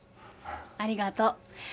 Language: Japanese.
ありがとう。